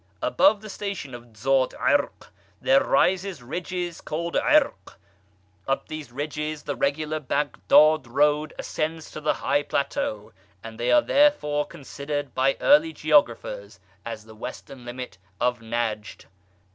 Above the station of Dzat Irq there rise ridges called Irq; up these ridges the regular Baghdad Road ascends to the high plateau, and they are therefore considered by early geographers as the western limit of Nejd.